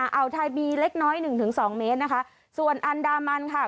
อ่าวไทยมีเล็กน้อยหนึ่งถึงสองเมตรนะคะส่วนอันดามันค่ะ